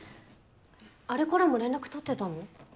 あれからも連絡取ってたの？